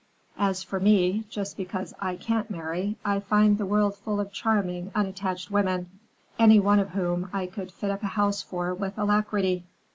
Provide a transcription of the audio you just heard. As for me, just because I can't marry, I find the world full of charming, unattached women, any one of whom I could fit up a house for with alacrity."